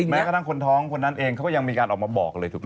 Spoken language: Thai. แม้กระทั่งคนท้องคนนั้นเองเขาก็ยังมีการออกมาบอกเลยถูกไหม